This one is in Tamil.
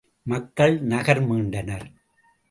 மக்கள் நகர் மீண்டனர்.